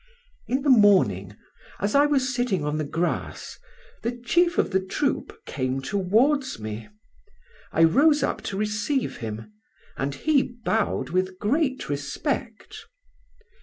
"In the morning, as I was sitting on the grass, the chief of the troop came towards me. I rose up to receive him, and he bowed with great respect.